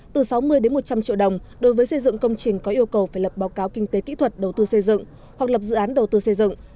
từ sáu mươi một trăm linh triệu đồng đối với xây dựng công trình có yêu cầu phải lập báo cáo kinh tế kỹ thuật đầu tư xây dựng hoặc lập dự án đầu tư xây dựng